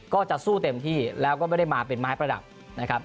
ก็จะสู้เต็มที่แล้วก็ไม่ได้มาเป็นไม้ประดับนะครับ